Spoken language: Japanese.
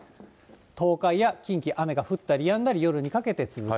東海や近畿、雨が降ったりやんだり、夜にかけて続く。